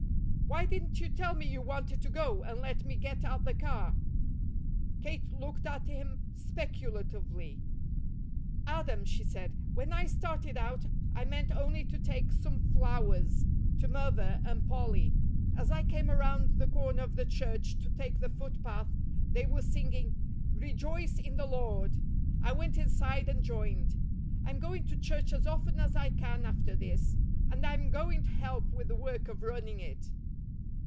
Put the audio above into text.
"Why didn't you tell me you wanted to go, and let me get out the car?" Kate looked at him speculatively. "Adam," she said, "when I started out, I meant only to take some flowers to Mother and Polly. As I came around the corner of the church to take the footpath, they were singing 'Rejoice in the Lord!' I went inside and joined. I'm going to church as often as I can after this, and I'm going to help with the work of running it."